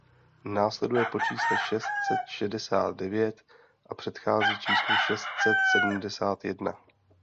Následuje po čísle šest set šedesát devět a předchází číslu šest set sedmdesát jedna.